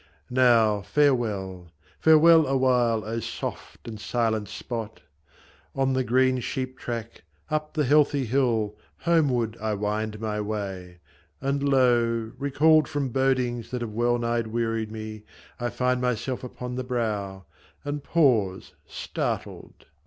Now farewell, Farewell, awhile, O soft and silent spot ! On the green sheep track, up the heathy hill, Homeward I wind my way ; and lo ! recalled From bodings that have well nigh wearied me, I find myself upon the brow, and pause Startled